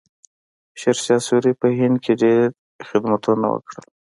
شیرشاه سوري په هند کې ډېر خدمتونه وکړل.